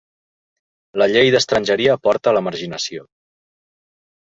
La llei d’estrangeria porta a la marginació.